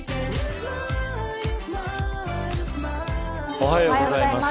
おはようございます。